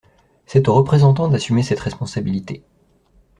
C'est aux Représentants d'assumer cette responsabilité.